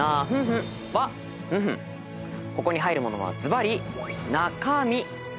ここに入るものはずばり。